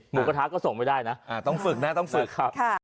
หมูกระทะก็ส่งไม่ได้นะต้องฝึกนะต้องฝึกครับ